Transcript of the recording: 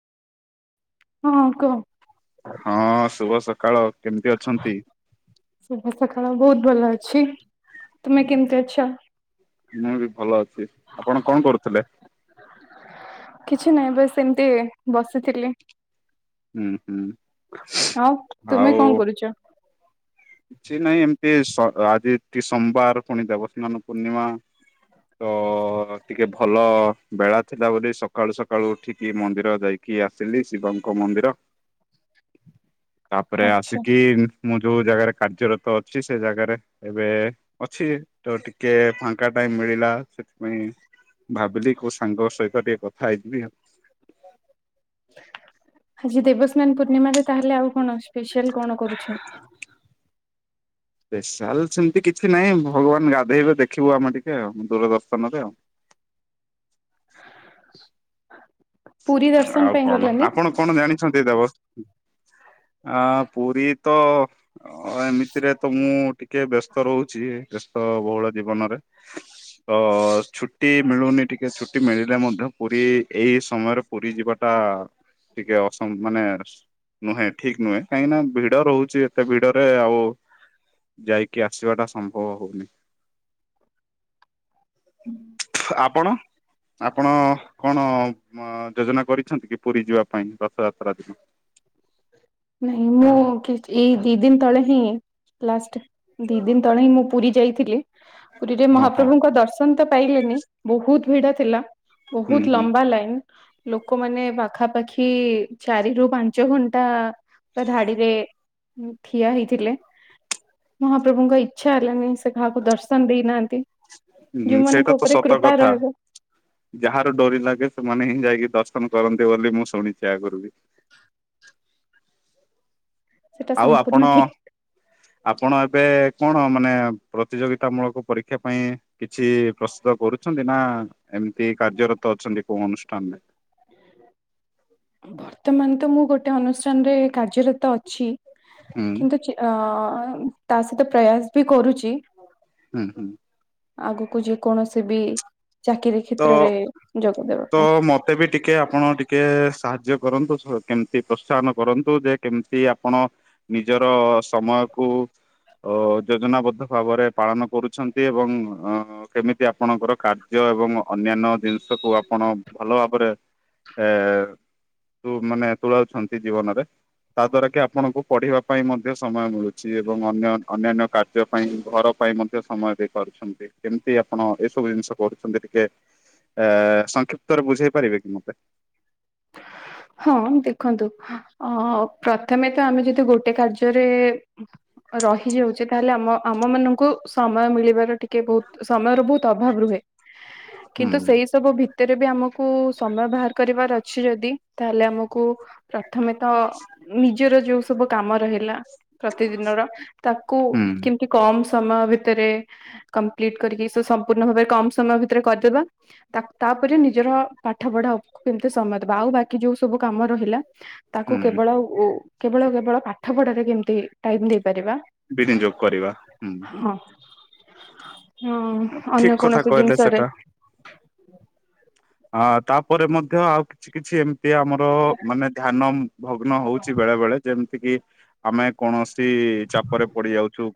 ହଁ କୁହ ହଁ ଶୁଭ ସକାଳ କେମିତି ଅଛନ୍ତି? ସଖାଳ ବହୁତ ଭଲ ଅଛି। ତୁମେ କେମିତି ଅଛ? ହୁଁ ମୁଁ ବି ଭଲ ଅଛି, ଆପଣ କଣ କରୁଥିଲେ? କିଛି ନାହିଁ ବାସ୍ ଏମତି ବସିଥିଲି। ହୁଁ ହୁଁ ହଁ ତୁମେ ଆଉ କଣ କରୁଚ? କିଛି ନାଇଁ ସ ଏମିତି ଆଜି ଏଠି ସୋମବାର ପୁଣି ଦେବସ୍ନାନ ପୂର୍ଣ୍ଣିମା। ତ ଟିକେ ଭଲ ବେଳା ଥିଲା ବୋଲି, ସକାଳୁ ସକାଳୁ ଉଠିକି ମନ୍ଦିର ଯାଇ କି ଆସିଲି ଶିବଙ୍କ ମନ୍ଦିର। ତାପରେ ଆଚ୍ଛା ଆସିକି ମୁଁ ଯୋଉ ଜାଗାରେ କାର୍ଯ୍ୟରତ ଅଛି ସେ ଜାଗାରେ ଏବେ ଅଛି, ତ ଟିକେ ଫାଙ୍କା ଟାଇମ୍ ମିଳିଲା। ସେଥିପାଇଁ ଭାବିଲି କୋଉ ସାଙ୍ଗ ସହିତ ଟିକେ କଥା ହେଇଯିବି। ଆଜି ଦେବସ୍ ନ୍ନ ପୂର୍ଣ୍ଣିମାରେ ତାହେଲେ ଆଉ କଣ ସ୍ପେସିଆଲ କଣ କରୁଛ? [inaudible] ସ୍ପେସିଆଲ ସେମିତି କିଛି ନାହିଁ, ଭଗବାନ ଗାଧେଇବେ ଦେଖିବୁ ଆମେ ଟିକେ ଆଉ ଦୂରଦର୍ଶନରେ ଆଉ। [inaudible] ପୁରୀ ଦର୍ଶନ ଆଉ ପାଇଁ କଣ, ଗଲନି? ଆପଣ କଣ ଜାଣିଛନ୍ତି ଦେବ ଆ ପୁରୀ ତ ଅ ଏମିତିରେ ତ ମୁଁ ଟିକେ ବ୍ୟସ୍ତ ରହୁଛି। ବେସ୍ତ ବହୁଳ ଜୀବନରେ। ତ-ଅ-ଅ-ଅ-ଅ ଛୁଟି ମିଳୁନି ଟିକେ ଛୁଟି ମିଳିଲେ ମଧ୍ୟ ପୁରୀ ଏଇ ସମୟରେ ପୁରୀ ଯିବାଟା ଟିକେ ଅସମ ମାନେ ନୁହେଁ ଠିକ ନୁହେଁ କାହିଁକି ନା ଭିଡ ରହୁଛି ଏତେ ଭିଡରେ ଆଉ ଯାଇକି ଆସିବା ଟା ସମ୍ଭବ ହଉନି। ହୁଁ। ଆପଣ, ଆପଣ କଣ ଅ ଯୋଜନା କରିଛନ୍ତି କି ପୁରୀ ଯିବା ପାଇଁ ରଥଯାତ୍ରା ଦିନ? ନାଇଁ ମୁଁ କି ଏଇ ଦି ଦିନ ତଳେ ହିଁ ଲାଷ୍ଟ ଦି ଦିନ ତଳେ ହିଁ ମୁଁ ପୁରୀ ଯାଇଥିଲି ପୁରୀରେ ଓହୋ ମହାପ୍ରଭୁଙ୍କ ଦର୍ଶନ ତ ପାଇଲେନି ବହୁତ ଭିଡ ଥିଲା। ହୁଁ ବହୁତ ହୁଁ ଲମ୍ବା ଲାଇନ। ଲୋକମାନେ ପାଖାପାଖି ଚାରିରୁ ପାଞ୍ଚ ଘଣ୍ଟା ପୁରା ଧାଡିରେ ଠିଆ ହେଇଥିଲେ ମହାପ୍ରଭୁଙ୍କ ଇଚ୍ଛା ହେଲାନି ସେ କାହାକୁ ଦର୍ଶନ ଦେଇନାହାନ୍ତି। ହୁଁ ସେଇଟା ଯୋଉମାନଙ୍କ ତ ଉପରେ ସତ କୃପା କଥା। ରହିବ ଯାହାର ଡୋରି ଲାଗେ ସେମାନେ ହିଁ ଯାଇକି ଦର୍ଶ ନ କରନ୍ତି ବୋଲି ମୁଁ ଶୁଣିଛିି ଆଗରୁ ବି। ସେଟା ଆଉ ଆପଣ ସମ୍ପୂର୍ଣ୍ଣ ଠିକ। ଆପଣ ଏବେ କଣ ମାନେ ପ୍ରତିଯୋଗିତା ମୂଳକ ପରୀକ୍ଷା ପାଇଁ କିଛି ପ୍ରସ୍ତୁତ କରୁ ଅଛନ୍ତି ନା ଏମିତି କାର୍ଯ୍ୟରତ ଅଛନ୍ତି କୋଉ ଅନୁଷ୍ଠାନ ରେ? ବର୍ତ୍ତମାନ ତ ମୁଁ ଗୋଟେ ଅନୁଷ୍ଠାନରେ କାର୍ଯ୍ୟରତ ଅଛି। ହୁଁ କିନ୍ତୁ ଚ ଅ-ଅ-ଅ-ଅ ତା ସହିତ ପ୍ରୟାସ ବି କରୁଛି। ହୁଁ ହୁଁ, ଆଗକୁ ଯେ କୌଣସି ବି ଚାକିରୀ କ୍ଷେତ୍ରରେ ଯୋଗ ଦେବା ପାଇଁ। ମୋତେ ବି ଟିକେ ଆପଣ ଟିକେ ସାହାଯ୍ୟ କରନ୍ତୁ କେମିତି ପ୍ରୋତ୍ସାହନ କରନ୍ତୁ ଯେ କେମିତି ଆପଣ ନିଜର ସମୟକୁ ଅ-ଅ ଯୋଜନାବଦ୍ଧ ଭାବରେ ପାଳନ କରୁଛନ୍ତି ଏବଂ ଅ କେମିତି ଆପଣଙ୍କର କାର୍ଯ୍ୟ ଏବଂ ଅନ୍ୟାନ୍ୟ ଜିନିଷକୁ ଆପଣ ଭଲ ଭାବରେ ଏ-ଏ-ଏ ତୁ ମାନେ ତୋଳାଉଛନ୍ତି ଜୀବନରେ। ତା ଦ୍ଵାରା କି ଆପଣଙ୍କୁ ପଢିବା ପାଇଁ ମଧ୍ୟ ସମୟ ମିଳୁଛି ଏବଂ ଅନ୍ୟ ଅନ୍ୟାନ୍ୟ କାର୍ଯ୍ୟ ପାଇଁ ଘର ପାଇଁ ମଧ୍ୟ ସମୟ ଦେଇ ପାରୁଛନ୍ତି। କେମିତି ଆପଣ ଏ ସବୁ ଜିନିଷ କରୁଛନ୍ତି ଟିକେ ଏ-ଏ-ଏ-ଏ ସଂକ୍ଷିପ୍ତରେ ବୁଝେଇ ପାରିବେ କି ମତେ? ହଁ ଦେଖନ୍ତୁ ଅ-ଅ-ଅ ପ୍ରଥମେ ତ ଆମେ ଯଦି ଗୋଟେ କାର୍ଯ୍ୟରେ ରହି ଯାଉଛେ ତାହେଲେ ଆମ ଆମ ମାନଙ୍କୁ ସମୟ ମିଳିବାର ଟିକେ କେ ବହୁତ ସମୟର ବହୁତ ଅଭାବ ରୁହେ। ହୁଁ କିନ୍ତୁ ସେଇ ସବୁ ଭିତ ତରେ ବି ଆମକୁ ସମୟ ବାହାର କରିବାର ଅଛି ଯଦି ତାହେଲେ ଆମ କୁ ପ୍ରଥମେ ତ ନିଜର ଯୋଉ ସବୁ କାମ ରହିଲା ପ୍ରତିଦିନ ର ତ ତାକୁ ହୁଁ କେମିତି କମ୍ ସମୟ ସମୟ ଭିତରେ କମ୍ପ୍ଲିଟ କରିକି ଶ ସମ୍ପୂର୍ଣ ଭାବରେ କମ୍ ସମୟ ଭିତରେ କରି ଦେବା ତା ତା ତାପରେ ନିଜର ପାଠ ପଢା ଉପ ତେ ସମୟ ଦେବା ଆଉ ବାକି ଯୋଉ ସବୁ କାମ ରହିଲା ତାକୁ ହୁଁ କେବଳ ଓ କେବଳ କେବଳ ପା ପାଠପଢାରେ କେମତି ଟାଇମ ଦେଇପାରିବା, ବିନିଯୋଗ କରିବା ହୁଁ ହଁ। ହଁ ଠିକ ଅନ୍ୟ କଥା କୌଣସି କହିଲେ ଜିନିଷରେ ସେଟା। ଆ ତାପରେ ମଧ୍ୟ ଆଉ କିଛି କିଛି ଏମ ମତି ଆମର ମାନେ ଧ୍ୟାନ ଭଗ୍ନ ହଉଚି ବେଳେ ବେଳେ ଯେମ ତି କିି ଆମେ କୌଣସି ଚାପରେ ପଡି ଯାଉଚୁ।